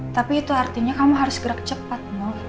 tapi itu artinya kamu harus gerak cepat